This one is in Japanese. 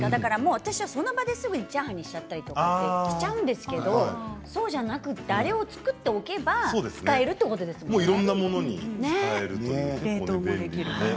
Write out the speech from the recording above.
私は、その場でチャーハンにしちゃったりしちゃうんですけどそうじゃなくてあれを作っておけばいろいろなものに使えます。